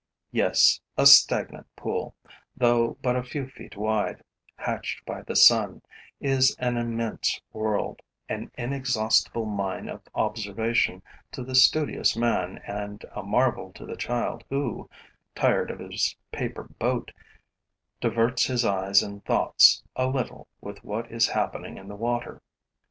Yes, a stagnant pool, though but a few feet wide, hatched by the sun, is an immense world, an inexhaustible mine of observation to the studious man and a marvel to the child who, tired of his paper boat, diverts his eyes and thoughts a little with what is happening in the water.